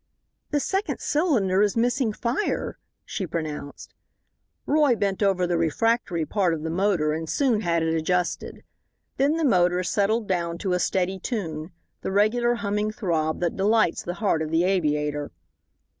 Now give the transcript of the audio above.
"The second cylinder is missing fire," she pronounced. Roy bent over the refractory part of the motor and soon had it adjusted. Then the motor settled down to a steady tune, the regular humming throb that delights the heart of the aviator.